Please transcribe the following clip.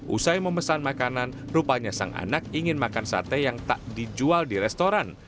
usai memesan makanan rupanya sang anak ingin makan sate yang tak dijual di restoran